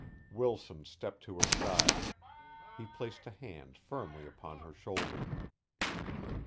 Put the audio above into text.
Wilson stepped to her side. He placed a hand firmly upon her shoulder.